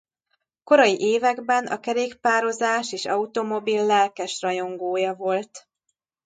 Korai években a kerékpározás és automobil lelkes rajongója volt.